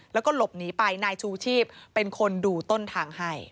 แล้วก็หลบหนีไปนายชูชีพเป็นคนดูต้นทางให้